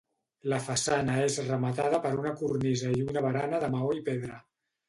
La façana és rematada per una cornisa i una barana de maó i pedra.